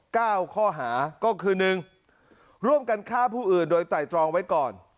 เก้าข้อหาก็คือหนึ่งร่วมกันฆ่าผู้อื่นโดยไตรตรองไว้ก่อน